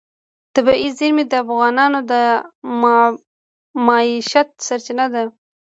طبیعي زیرمې د افغانانو د معیشت سرچینه ده.